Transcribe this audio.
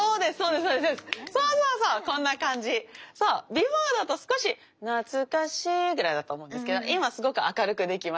ビフォーだと少し「なつかしい」ぐらいだと思うんですけど今すごく明るくできました。